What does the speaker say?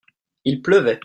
il pleuvait.